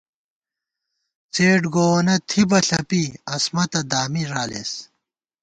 څېڈ گووَنہ تھِی بہ ݪَپی، عصمَتہ دامی ݫالېس